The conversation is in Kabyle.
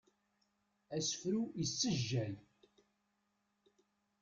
Asefru issejjay.